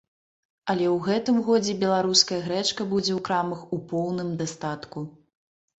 Але ў гэтым годзе беларуская грэчка будзе ў крамах у поўным дастатку.